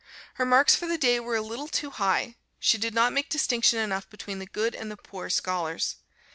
Her marks for the day were a little too high; she did not make distinction enough between the good and the poor scholars.